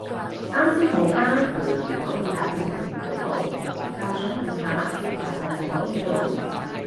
啱先睇返原來唔可以打表情符號，但想問下貼圖係咪可以用？